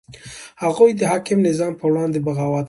هغوی د حاکم نظام په وړاندې بغاوت کاوه.